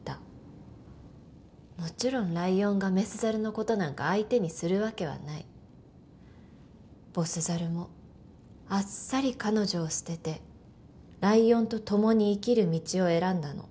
もちろんライオンが雌猿のことなんか相手にするわけはないボス猿もあっさり彼女を捨ててライオンと共に生きる道を選んだの